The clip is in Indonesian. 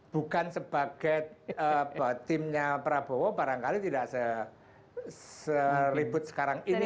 bukan sebagai timnya prabowo barangkali tidak seribut sekarang ini